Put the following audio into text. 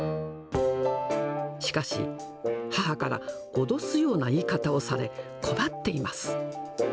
しかし、母から脅すような言い方をされ、困っています。